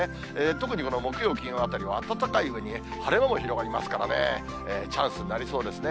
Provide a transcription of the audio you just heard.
特にこの木曜日のあたりは暖かいうえにね、晴れ間も広がりますからね、チャンスになりそうですね。